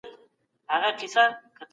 د ظلم په وړاندې چوپ پاته کيدل ستره ګناه ده.